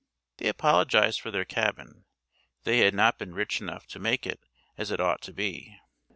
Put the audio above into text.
They apologised for their cabin; they had not been rich enough to make it as it ought to be.